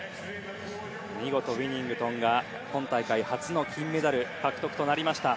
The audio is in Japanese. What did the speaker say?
見事、ウィニングトンが今大会初の金メダル獲得となりました。